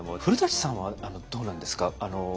古さんはどうなんですか？